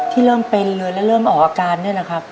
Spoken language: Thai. ที่เริ่มเป็นเลยแล้วเริ่มออกอาการนี่แหละครับ